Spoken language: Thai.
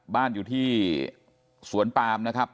บ้านอยู่ที่สวนปามนะครับ